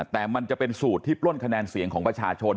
แต่มันจะเป็นสูตรที่ปล้นคะแนนเสียงของประชาชน